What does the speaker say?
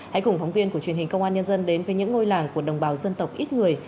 hãy cùng phóng viên của truyền hình công an nhân dân đến với những ngôi làng của đồng bào dân tộc ít người